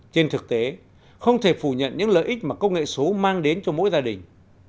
trên thực tế không thể phủ nhận những lợi ích mà công nghệ số mang đến cho mỗi gia đình